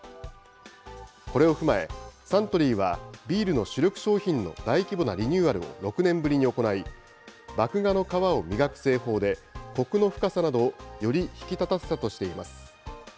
これを踏まえ、サントリーは、ビールの主力商品の大規模なリニューアルを６年ぶりに行い、麦芽の皮を磨く製法で、コクの深さなどをより引き立たせたとしています。